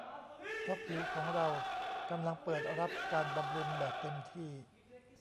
เพราะผิวของเรากำลังเปิดรับการบำรุงแบบเต็มที่